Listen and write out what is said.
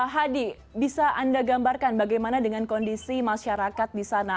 hadi bisa anda gambarkan bagaimana dengan kondisi masyarakat di sana